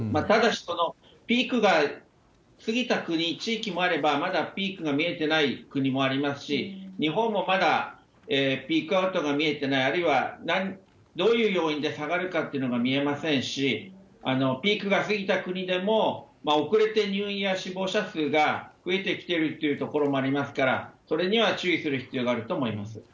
ただし、そのピークが過ぎた国、地域もあれば、まだピークが見えてない国もありますし、日本もまだピークアウトが見えてない、あるいはどういう要因で下がるかっていうのが見えませんし、ピークが過ぎた国でも遅れて入院や死亡者数が増えてきてるっていう所もありますから、それには注意する必要があると思います。